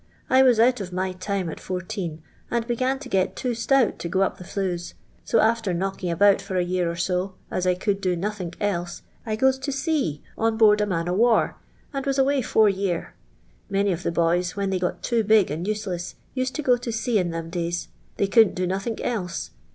I was out of my time at fourteen, and began to get too stout to go up the fluea; so after knoclua' about for a year or so, aa I oould do nothiak else, I goes to sea on board a man o' war, and waa away four year. Many of the boys, when they got too big and useless, used to go to sea in them, days — they couldn't do nothink else.